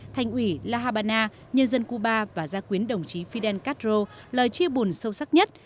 thành ủy la habana nhân dân cuba và gia quyến đồng chí fidel castro lời chia buồn sâu sắc nhất